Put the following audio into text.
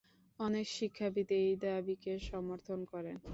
অনেক শিক্ষাবিদ এই দাবীকে সমর্থন করেন।